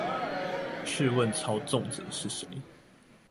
試問操縱者是誰？